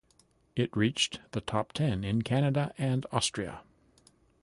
It reached the top ten in Canada and Austria.